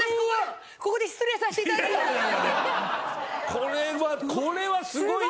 これはこれはすごいですよ。